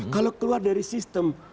kalau keluar dari sistem